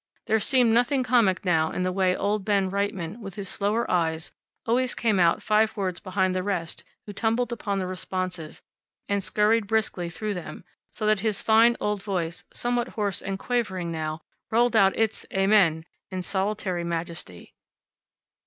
There seemed nothing comic now in the way old Ben Reitman, with his slower eyes, always came out five words behind the rest who tumbled upon the responses and scurried briskly through them, so that his fine old voice, somewhat hoarse and quavering now, rolled out its "Amen!" in solitary majesty.